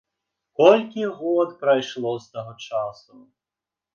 Колькі год прайшло з таго часу!